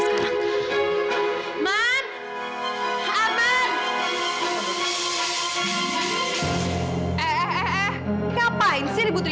serem banget nih